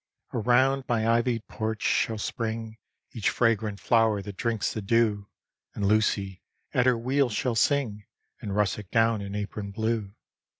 Around my ivy'd porch shall spring Each fragrant flower that drinks the dew; And Lucy, at her wheel, shall sing In russet gown and apron blue.